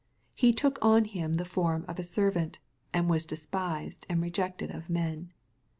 He took on him the form of a servant, and was despised and rejected of men.